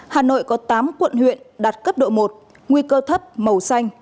hà nội có tám quận huyện đạt cấp độ một nguy cơ thấp màu xanh